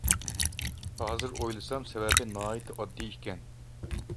ھازىر ئويلىسام سەۋەبى ناھايىتى ئاددىي ئىكەن.